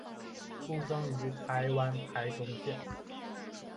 出生于台湾台中县。